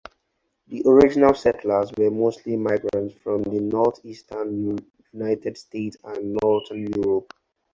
The original settlers were mostly migrants from the Northeastern United States and Northern Europe.